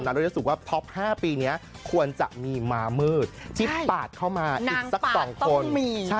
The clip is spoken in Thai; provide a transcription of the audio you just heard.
เราจะรู้สึกว่าท็อป๕ปีนี้ควรจะมีม้ามืดที่ปาดเข้ามาอีกสัก๒คน